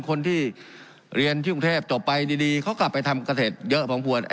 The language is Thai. คนที่เรียนที่กรุงเทพจบไปดีเขากลับไปทำเกษตรเยอะพอควร